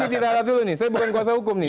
ini diralat dulu nih saya bukan kuasa hukum nih